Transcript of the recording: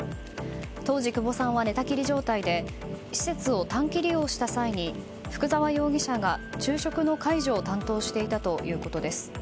当時、久保さんは寝たきり状態で施設を短期利用した際に福沢容疑者が昼食の介助を担当していたということです。